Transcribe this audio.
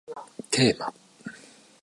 テーマ